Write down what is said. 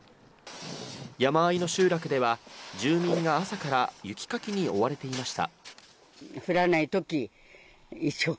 山あいの集落では住民が朝から雪かきに追われていました。